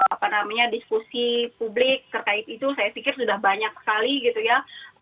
apa namanya diskusi publik terkait itu saya pikir sudah banyak sekali gitu ya